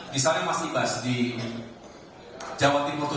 misalnya mas ibas di jawa timur itu